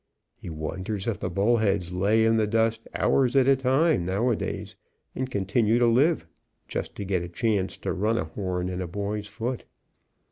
He wonders if the bullheads lay in the dust hours at a time, nowadays, and continue to live, just to get a chance to run a horn in a boy's foot.